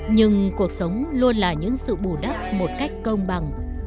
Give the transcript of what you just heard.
nhưng cuộc sống luôn là những sự bù đắp một cách công bằng